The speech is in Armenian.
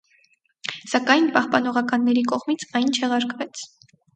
Սակայն պահպանողականների կողմից այն չեղարկվեց։